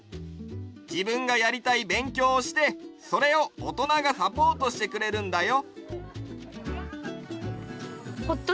じぶんがやりたいべんきょうをしてそれをおとながサポートしてくれるんだよ。